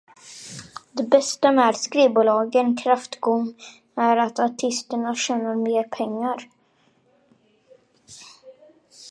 Det bästa med skivbolagens kräftgång är att artisterna tjänar mer pengar.